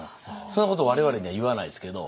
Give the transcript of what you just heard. そんなこと我々には言わないですけど。